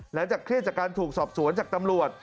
เครียดจากการถูกสอบสวนจากตำรวจ